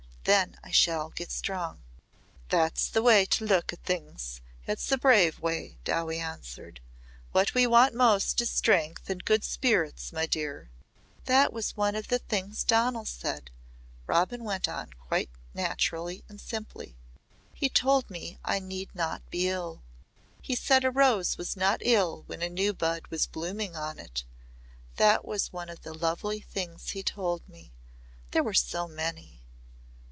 Then I shall get strong." "That's the way to look at things. It's a brave way," Dowie answered. "What we want most is strength and good spirits, my dear." "That was one of the things Donal said," Robin went on quite naturally and simply. "He told me I need not be ill. He said a rose was not ill when a new bud was blooming on it. That was one of the lovely things he told me. There were so many."